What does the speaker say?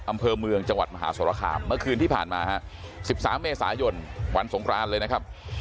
อำเภอเมืองจังหวัดมหาสรคามเมื่อคืนที่ผ่านมาฮะ๑๓เมษายนวันสงครานเลยนะครับ